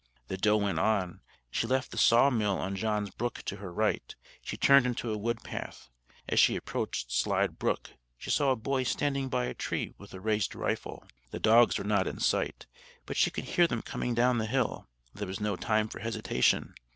The doe went on; she left the saw mill on John's Brook to her right; she turned into a wood path. As she approached Slide Brook, she saw a boy standing by a tree with a raised rifle. The dogs were not in sight, but she could hear them coming down the hill. There was no time for hesitation.